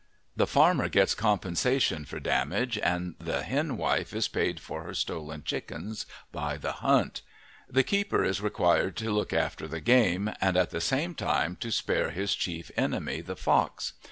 The farmer gets compensation for damage, and the hen wife is paid for her stolen chickens by the hunt, The keeper is required to look after the game, and at the same time to spare his chief enemy, the fox.